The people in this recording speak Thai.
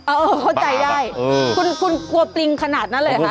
เออเข้าใจได้คุณกลัวปริงขนาดนั้นเลยเหรอคะ